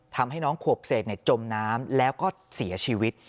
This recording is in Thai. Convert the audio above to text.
ทำให้น้องขวบเศษจมน้ำแล้วก็เสียชีวิต